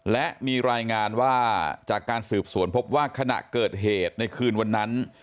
และมีรายงานว่าจากการสืบสวนพบว่าขณะเกิดเหตุในคืนวันนั้น